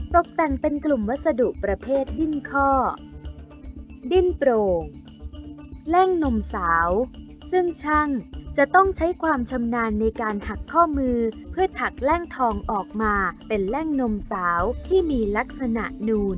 ตกแต่งเป็นกลุ่มวัสดุประเภทดิ้นข้อดิ้นโปร่งแล่งนมสาวซึ่งช่างจะต้องใช้ความชำนาญในการหักข้อมือเพื่อถักแล่งทองออกมาเป็นแล่งนมสาวที่มีลักษณะนูน